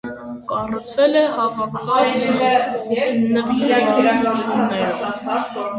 Կառուցվել է հավաքված նվիրատվություններով։